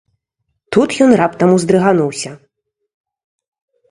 Тут ён раптам уздрыгануўся.